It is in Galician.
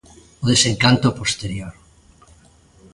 O desencanto posterior.